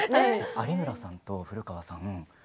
有村さんと古川さん